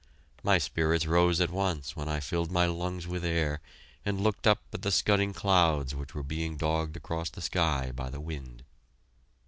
My spirits rose at once when I filled my lungs with air and looked up at the scudding clouds which were being dogged across the sky by the wind.